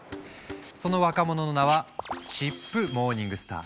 その若者の名はチップ・モーニングスター。